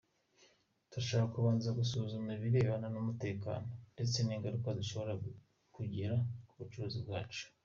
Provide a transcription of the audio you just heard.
Turashaka kubanza gusuzuma ibirebana n’umutekano ndetse n’ingaruka zishobora kugera ku bacukuzi bacu.